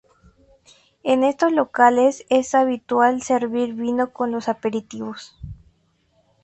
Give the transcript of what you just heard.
En estos locales es habitual servir vino con los aperitivos.